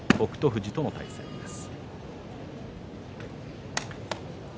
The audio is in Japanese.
富士との対戦です。